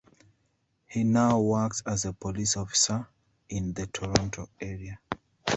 He now works as a police officer in the Toronto area.